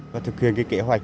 và thực hiện kế hoạch